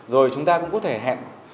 rồi chúng ta cũng có thể hẹn